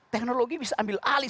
teknologi bisa ambil alih